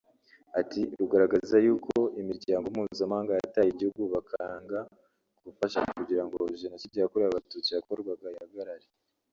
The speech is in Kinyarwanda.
Ati “Rugaragaza y’uko imiryango mpuzamahanga yataye igihugu bakanga gufasha kugira ngo Jenoside yakorewe Abatutsi yakorwaga ihagarare